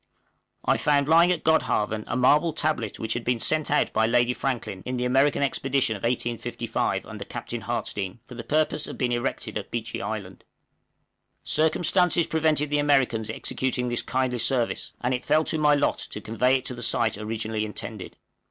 {AN ARCTIC MONUMENT.} I found lying at Godhavn a marble tablet which had been sent out by Lady Franklin, in the American expedition of 1855 under Captain Hartstein, for the purpose of being erected at Beechey Island. Circumstances prevented the Americans executing this kindly service, and it fell to my lot to convey it to the site originally intended.